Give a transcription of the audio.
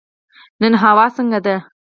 نن هوا څنګه ده؟